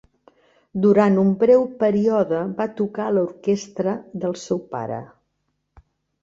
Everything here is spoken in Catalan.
Durant un breu període va tocar a l'orquestra del seu pare.